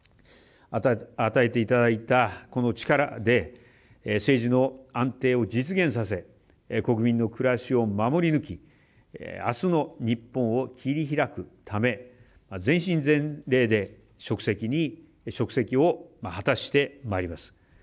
与えていただいたこの力で政治の安定を実現させ国民の暮らしを守り抜きあすの日本を切り開くため全身全霊で職責を果たしてまいります。